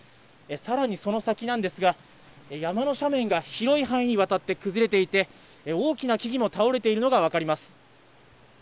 さらにその先なんですが山の斜面が広い範囲にわたって崩れていて、大きな木々も倒れているのがわかります。